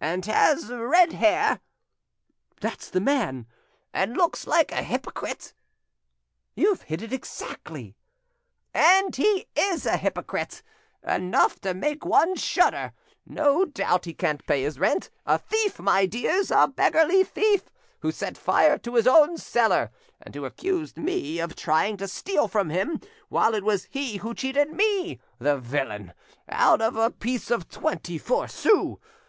"And has red hair?" "That's the man." "And looks a hypocrite?" "You've hit it exactly." "And he is a hypocrite! enough to make one shudder! No doubt he can't pay his rent! A thief, my dears, a beggarly thief, who set fire to his own cellar, and who accused me of trying to steal from him, while it was he who cheated me, the villain, out of a piece of twenty four sous.